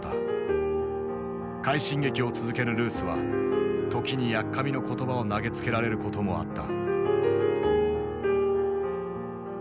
快進撃を続けるルースは時にやっかみの言葉を投げつけられることもあった。